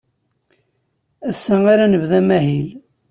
Ass-a ara nebdu amahil.